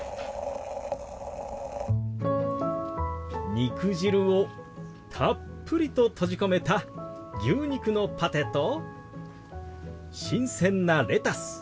肉汁をたっぷりと閉じ込めた牛肉のパテと新鮮なレタス。